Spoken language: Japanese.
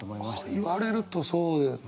言われるとそうだよね。